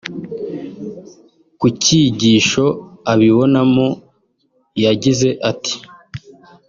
Ku cyigisho abibonamo yagize ati